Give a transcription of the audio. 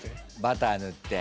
バター塗って。